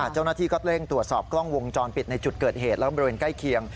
เจ้าหน้าที่ก็เร่งตรวจสอบกล้องวงจรปิดในจุดเกิดเหตุและบริเวณใกล้เคียง